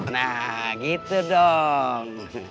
nah gitu dong